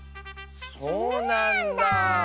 そうなんだあ。